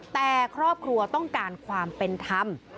แต่ครอบครัวต้องการความเป็นธรรม